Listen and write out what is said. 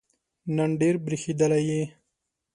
نن ډېر برېښېدلی یې